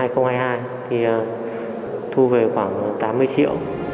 tôi đã thu về khoảng tám mươi triệu